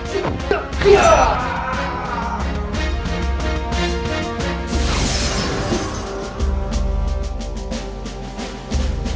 tidak bisa mencinta